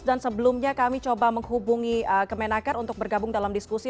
dan sebelumnya kami coba menghubungi kemenaker untuk bergabung dalam diskusi